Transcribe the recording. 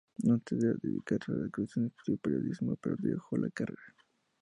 Antes de dedicarse a la actuación, estudió periodismo, pero dejó la carrera.